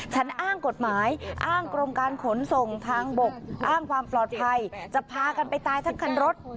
ฉันอ้างกฎหมายอ้างกรมการขนส่งทางบกอ้างความปลอดภัยจะพากันไปตายทั้งคันรถ